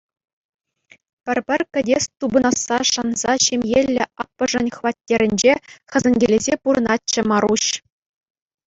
Пӗр-пӗр кӗтес тупӑнасса шанса ҫемьеллӗ аппӑшӗн хваттерӗнче хӗсӗнкелесе пурӑнатчӗ Маруҫ.